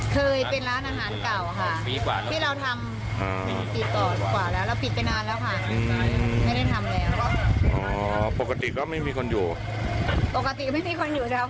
เคยเป็นร้านอาหารเก่าค่ะที่เราทำปีดก่อนกว่าแล้ว